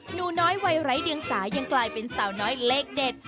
หนูน้อยวัยไร้เดียงสายังกลายเป็นสาวน้อยเลขเด็ด